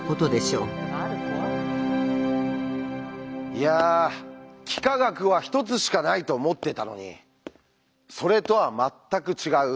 いや幾何学は１つしかないと思ってたのにそれとは全く違う